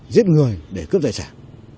giết người để cướp tài sản